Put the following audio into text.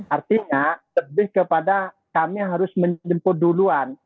artinya lebih kepada kami harus menjemput duluan